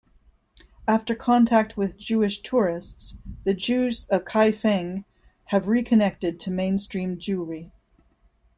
After contact with Jewish tourists, the Jews of Kaifeng have reconnected to mainstream Jewry.